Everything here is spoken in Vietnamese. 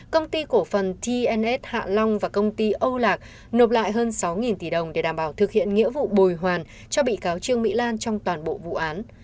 công ty cổ phần tns hạ long và công ty âu lạc nộp lại hơn sáu tỷ đồng để đảm bảo thực hiện nghĩa vụ bồi hoàn cho bị cáo trương mỹ lan trong toàn bộ vụ án